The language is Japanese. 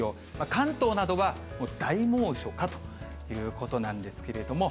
関東などは大猛暑かということなんですけれども。